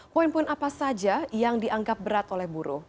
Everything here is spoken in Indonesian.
poin poin apa saja yang dianggap berat oleh buruh